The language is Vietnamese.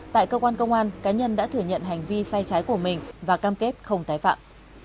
tại cơ quan công an cá nhân đã thừa nhận hành vi sai trái của mình và cam kết không tái phạm